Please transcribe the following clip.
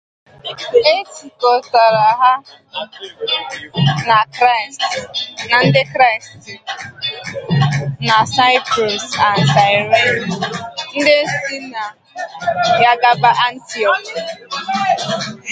They were joined by Christians from Cyprus and Cyrene who migrated to Antioch.